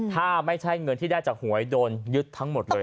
ถ้าไม่ใช่เงินที่ได้จากหวยโดนยึดทั้งหมดเลย